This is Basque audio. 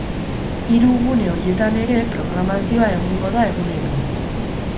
Hiru gune horietan ere programazioa egongo da egunero.